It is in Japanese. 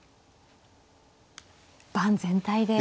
盤全体で。